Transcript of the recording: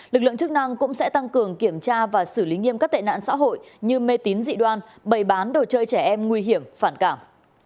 lực lượng chức năng cũng sẽ tăng cường kiểm tra và xử lý nghiêm các tệ nạn xã hội như mê tín dị đoan bày bán đồ chơi trẻ em nguy hiểm phản cảm